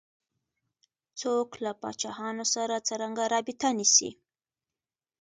څوک له پاچاهانو سره څرنګه رابطه نیسي.